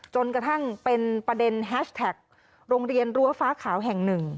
จนกระทั่งเป็นประเด็นแฮชแท็กโรงเรียนรั้วฟ้าขาวแห่งหนึ่ง